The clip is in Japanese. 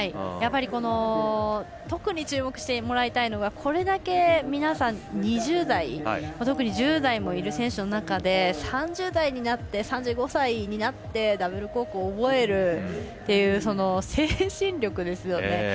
やっぱり特に注目してもらいたいのがこれだけ皆さん２０代、１０代もいる選手の中で３０代になって３５歳になってダブルコークを覚えるという精神力ですよね。